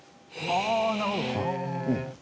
ああーなるほど。